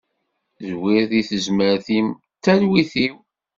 Zwir deg tezmert-im d talwit-iw.